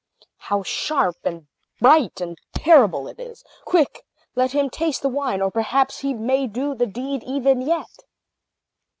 How sharp, and bright, and terrible it is! Quick! let him taste the wine; or perhaps he may do the deed even yet."